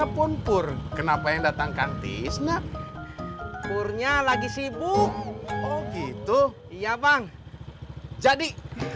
hampun pur kenapa yang datang kang tisnak purnya lagi sibuk gitu iya bang jadi